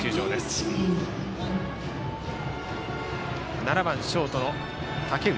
バッターは７番ショートの竹内。